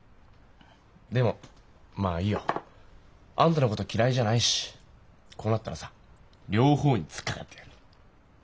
でもまあいいよ。あんたのこと嫌いじゃないしこうなったらさ両方に突っかかってやる。